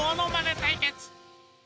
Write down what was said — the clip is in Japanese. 対決。